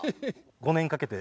５年かけて。